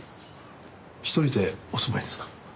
一人でお住まいですか？